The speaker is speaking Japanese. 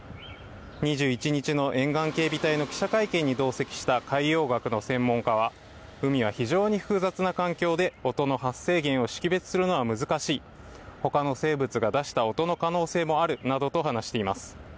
２１日の沿岸警備隊の記者会見に同席した海洋学の専門家は海は非常に複雑な環境で音の発生源を識別するのは難しい、他の生物が出した音の可能性もあるなどと話しています。